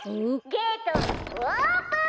「ゲートオープン！」。